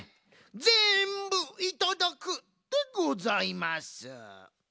ぜんぶいただくでございます！